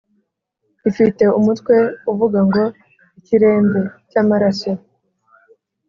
ifite umutwe uvuga ngo ikiremve [cy’amaraso],”